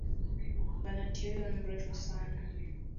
Banati huyu ni mrefu sana.